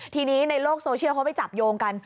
ทีนี้ในโลกโซเชียลเขาไปจับโยงกัน